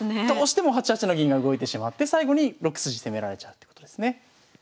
どうしても８八の銀が動いてしまって最後に６筋攻められちゃうってことですね。